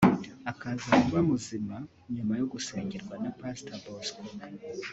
akaza kuba muzima nyuma yo gusengerwa na Pastor Bosco